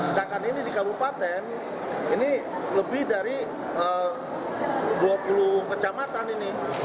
sedangkan ini di kabupaten ini lebih dari dua puluh kecamatan ini